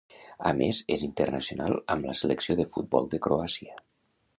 A més, és internacional amb la selecció de futbol de Croàcia.